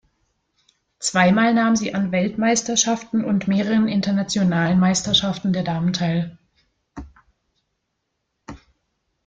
Zweimal nahm sie an Weltmeisterschaften und mehreren internationalen Meisterschaften der Damen teil.